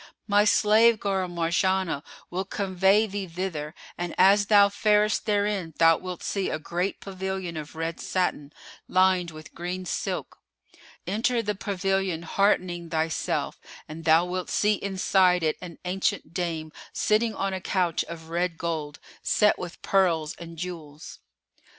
My slave girl Marjánah will convey thee thither and as thou farest therein thou wilt see a great pavilion of red satin, lined with green silk. Enter the pavilion heartening thyself and thou wilt see inside it an ancient dame sitting on a couch of red gold set with pearls and jewels.